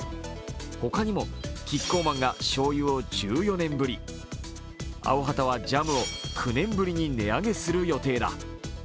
他にもキッコーマンがしょうゆを１４年ぶり、アヲハタはジャムを９年ぶりに値上げする予定だ。